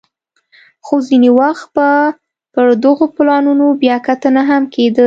خو ځیني وخت به پر دغو پلانونو بیا کتنه هم کېده